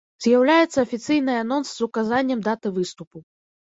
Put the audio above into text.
З'яўляецца афіцыйны анонс з указаннем даты выступу.